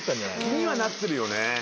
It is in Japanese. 気にはなってるよね。